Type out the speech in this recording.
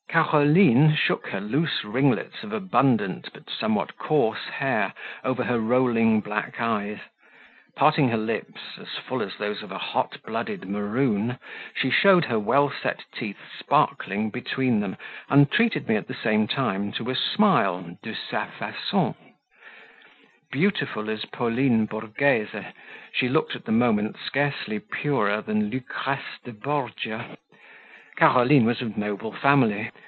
Caroline shook her loose ringlets of abundant but somewhat coarse hair over her rolling black eyes; parting her lips, as full as those of a hot blooded Maroon, she showed her well set teeth sparkling between them, and treated me at the same time to a smile "de sa facon." Beautiful as Pauline Borghese, she looked at the moment scarcely purer than Lucrece de Borgia. Caroline was of noble family.